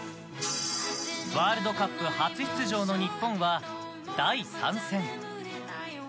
ワールドカップ初出場の日本は第３戦。